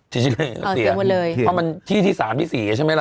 ที่จิลิงก์เสียเพราะมันที่ที่๓ที่๔ใช่ไหมล่ะ